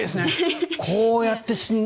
こうやって死ぬ。